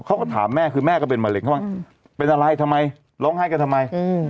เขาก็ถามแม่คือแม่ก็เป็นมะเร็งเขาว่าเป็นอะไรทำไมร้องไห้กันทำไม